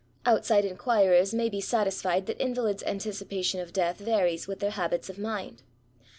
Outside enquirers may be satisfied that invalids' anticipation of death varies with their habits of mind.